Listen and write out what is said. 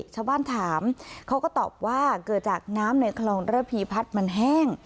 ชาวบ้านถามเขาก็ตอบว่าเกิดจากน้ำในคลองระพีพัฒน์มันแห้ง